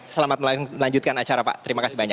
selamat melanjutkan acara pak terima kasih banyak